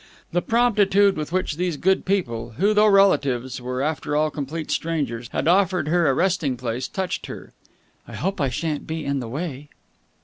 The promptitude with which these good people, who, though relatives, were after all complete strangers, had offered her a resting place touched her. "I hope I shan't be in the way."